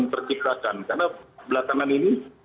terciptakan karena belakangan ini